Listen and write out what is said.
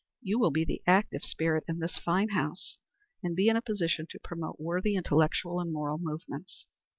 You will be the active spirit in this fine house, and be in a position to promote worthy intellectual and moral movements."